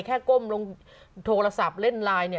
ก้มลงโทรศัพท์เล่นไลน์เนี่ย